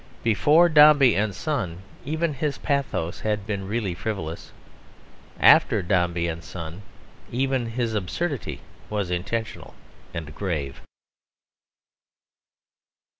Before Dombey and Son even his pathos had been really frivolous. After Dombey and Son even his absurdity was intentional and grave.